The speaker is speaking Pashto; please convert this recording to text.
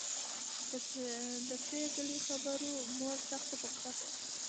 د پري ګلې خبرو مور سخته په غصه کړه